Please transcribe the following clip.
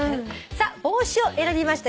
「帽子」を選びました